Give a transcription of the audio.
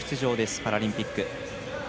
パラリンピック。